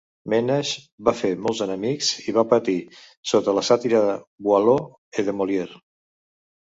Ménage va fer molts enemics i va patir sota la sàtira de Boileau i de Molière.